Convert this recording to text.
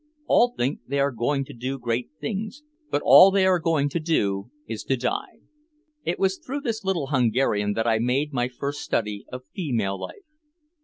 All think they are going to do great things, but all they are going to do is to die." It was through this little Hungarian that I made my first study of female life.